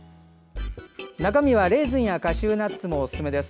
中身はレーズンやカシューナッツなどもおすすめです。